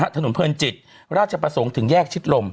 ถนนเพลินจิตราชประสงค์ถึงแยกชิดลม